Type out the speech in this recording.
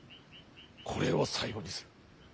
これを最後にする。